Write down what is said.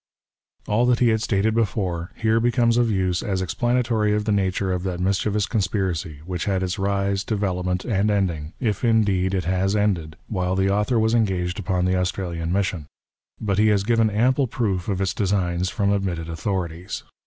All that he had stated before, here becomes of use as explanatory of the nature of that mischievous conspiracy, which had its rise, development, and ending — if, indeed, it has ended — while the author was engaged upon the Australian mission. But he has given ample proof of its designs from admitted authorities.